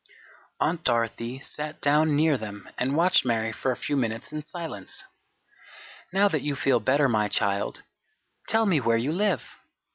Aunt Dorothy sat down near them and watched Mary for a few minutes in silence. "Now that you feel better, my child, tell me where you live?"